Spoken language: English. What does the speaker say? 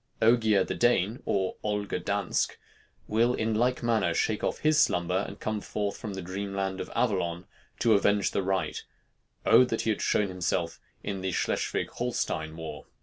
Ogier the Dane, or Olger Dansk, will in like manner shake off his slumber and come forth from the dream land of Avallon to avenge the right O that he had shown himself in the Schleswig Holstein war!